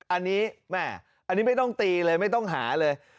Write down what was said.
อันนี้แม่อันนี้ไม่ต้องตีเลยไม่ต้องหาเลย